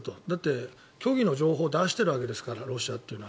だって、虚偽の情報を出しているわけですからロシアは。